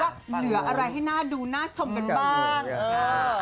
ดูซิว่าเหลืออะไรให้น่าดูน่าชมกันบ้าง